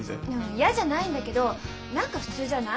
嫌じゃないんだけど何か普通じゃない？